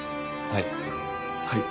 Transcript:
はい。